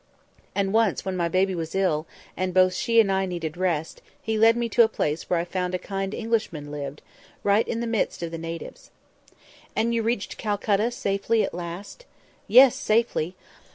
And once when my baby was ill, and both she and I needed rest, He led me to a place where I found a kind Englishman lived, right in the midst of the natives." "And you reached Calcutta safely at last?" "Yes, safely!